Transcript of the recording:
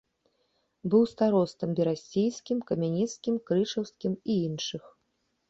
Быў старостам берасцейскім, камянецкім, крычаўскім і іншых.